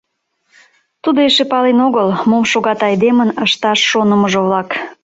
Тудо эше пален огыл, мом шогат айдемын ышташ шонымыжо-влак.